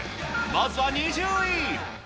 まずは２０位。